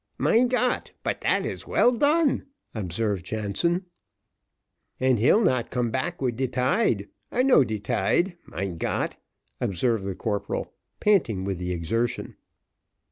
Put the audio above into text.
"Mein Gott! but dat is well done," observed Jansen. "And he'll not come back wid de tide. I know de tide, Mein Gott!" observed the corporal, panting with the exertion.